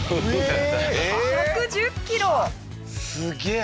すげえ！